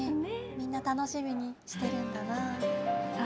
みんな楽しみにしてるんだなぁ。